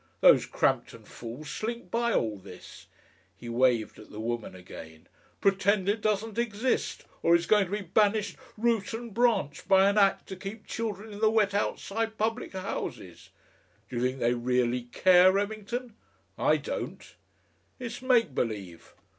Those Crampton fools slink by all this," he waved at the woman again "pretend it doesn't exist, or is going to be banished root and branch by an Act to keep children in the wet outside public houses. Do you think they really care, Remington? I don't. It's make believe.